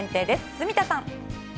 住田さん。